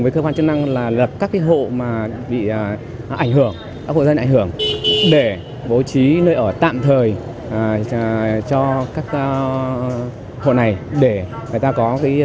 các cơ quan chức năng đã đến từng gia đình để thống kê thiệt hại cụ thể về tài sản